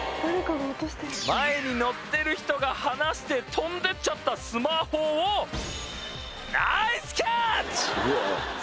前に乗ってる人が離して飛んでっちゃったスマホをナイスキャッチ！